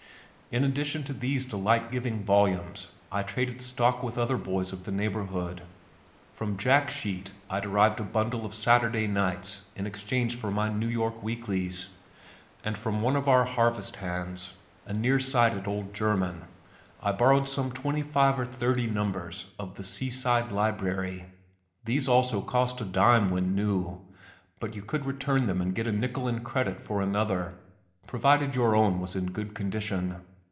In addition to these delight giving volumes, I traded stock with other boys of the neighborhood. From Jack Sheet I derived a bundle of Saturday Nights in exchange for my New York Weeklys and from one of our harvest hands, a near sighted old German, I borrowed some twenty five or thirty numbers of The Sea Side Library. These also cost a dime when new, but you could return them and get a nickel in credit for another, provided your own was in good condition.